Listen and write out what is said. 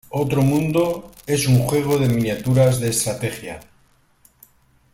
Otro mundo es un juego de miniaturas de estrategia.